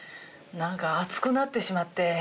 何か熱くなってしまって。